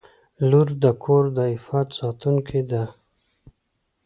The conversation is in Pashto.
• لور د کور د عفت ساتونکې ده.